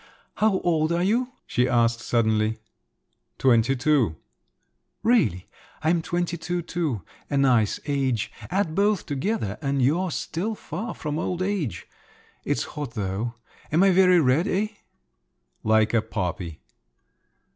"How old are you?" she asked suddenly. "Twenty two." "Really? I'm twenty two too. A nice age. Add both together and you're still far off old age. It's hot, though. Am I very red, eh?" "Like a poppy!"